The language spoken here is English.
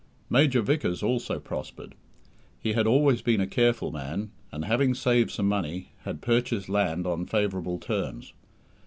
Major Vickers also prospered. He had always been a careful man, and having saved some money, had purchased land on favourable terms.